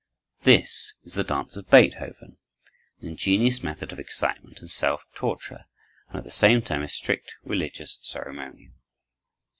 This is the dance of Beethoven—an ingenious method of excitement and self torture, and at the same time a strict religious ceremonial.